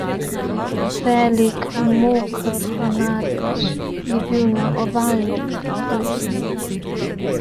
Velik moker madež je bil na ovalni preprogi.